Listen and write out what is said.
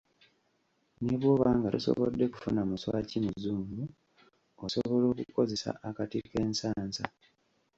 Ne bw'oba nga tosobodde kufuna muswaki muzungu, osobola okukozesa akati k'ensasa.